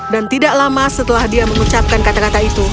dan tidak lama setelah dia mengucapkan kata kata itu